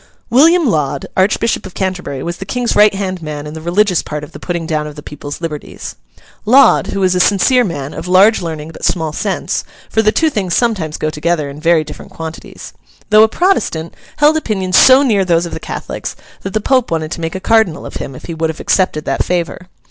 William Laud, Archbishop of Canterbury, was the King's right hand man in the religious part of the putting down of the people's liberties. Laud, who was a sincere man, of large learning but small sense—for the two things sometimes go together in very different quantities—though a Protestant, held opinions so near those of the Catholics, that the Pope wanted to make a Cardinal of him, if he would have accepted that favour.